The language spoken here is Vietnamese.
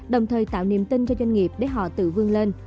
đồng thời tạo niềm tin cho doanh nghiệp để họ tự vương lên